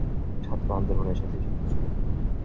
ছাত্র আন্দোলনের সঙ্গে যুক্ত ছিলেন।